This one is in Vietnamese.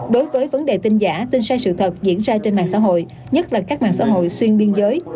đối với vấn đề tin giả tin sai sự thật diễn ra trên mạng xã hội nhất là các mạng xã hội xuyên biên giới